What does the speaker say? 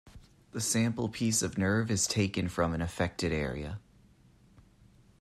The sample piece of nerve is taken from an affected area.